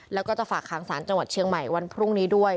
แล้วก็จะฝากหางศาลจังหวัดเชียงใหม่วันพรุ่งนี้ด้วย